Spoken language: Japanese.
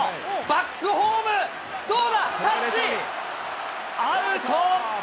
バックホーム、どうだ、タッチ、アウト。